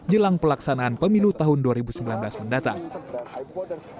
jelang pelaksanaan pemilu tahun dua ribu sembilan belas mendatang